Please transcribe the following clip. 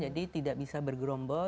jadi tidak bisa bergerombol